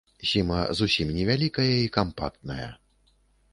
Сіма зусім невялікая і кампактная.